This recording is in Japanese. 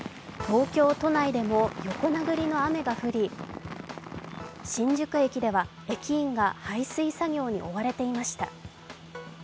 東京都内でも横殴りの雨が降り、新宿駅では駅員が排水作業に追われていました。